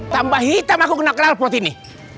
tambah hitam aku kena kelal pot ini